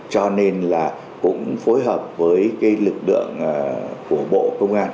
cho nên là cũng phối hợp với lực lượng của bộ công an